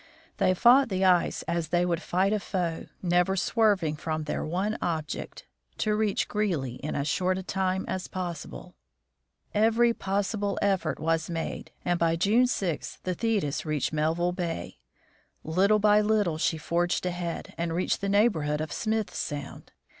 They fought the ice as they would fight a foe, never swerving from their one object — to reach Greely in as short a time as possible. Every possible effort was made, and by June 6 the Thetis reached Melville bay. Little by little she forged ahead, and reached the neighborhood of Smith sound.